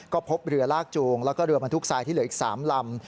ก็พบเรือลากจูงแล้วก็เรือบรรทุกทรายที่เหลืออีก๓ลำ